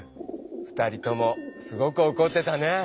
２人ともすごくおこってたね。